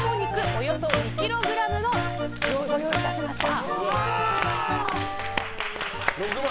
およそ２ｋｇをご用意いたしました。